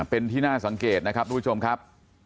เป็นที่น่าสังเกตนะครับทุกผู้ชมครับ